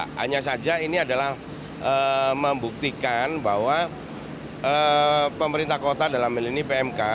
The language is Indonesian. hanya saja ini adalah membuktikan bahwa pemerintah kota dalam hal ini pmk